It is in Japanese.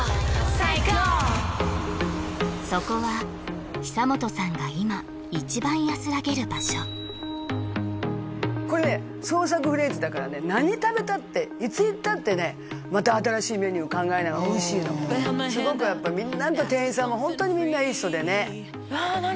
そこは久本さんがこれね創作フレンチだからね何食べたっていつ行ったってねまた新しいメニュー考えおいしいのすごくやっぱみんな店員さんもホントにみんないい人でねわあ何？